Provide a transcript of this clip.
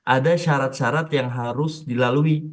ada syarat syarat yang harus dilalui